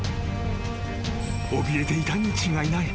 ［おびえていたに違いない。